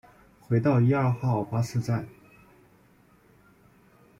回到一二号巴士站